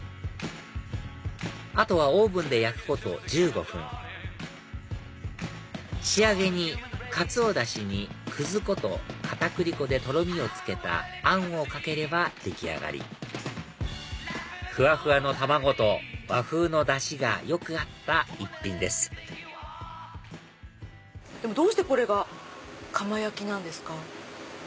あとはオーブンで焼くこと１５分仕上げにカツオダシにくず粉と片栗粉でとろみをつけたあんをかければ出来上がりふわふわの卵と和風のダシがよく合った一品ですどうしてこれが釜焼なんですか？